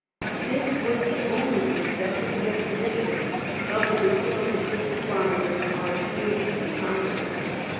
This was the only success of the expedition, of the details of which the chroniclers are strangely silent.